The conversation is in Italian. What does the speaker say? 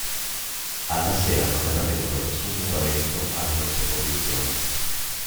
Alla sera non era avvenuto nessun mutamento alle nostre condizioni.